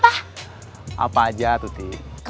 pak mustaqim pak mustaqim mau dibikinin apa